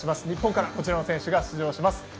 日本からはこちらの選手が出場します。